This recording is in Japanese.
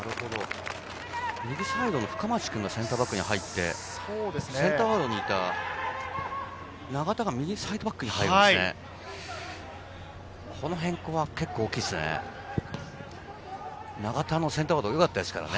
右サイドの深町君がセンターバックに入ってセンターフォワードの永田が右サイドバックに入りましたね。